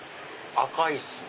赤いっすね。